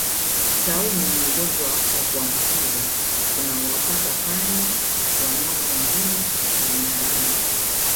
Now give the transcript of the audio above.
Tauni ni ugonjwa wa kuambukiza unaowapata panya wanyama wengine na binadamu